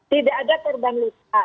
tidak ada korban luka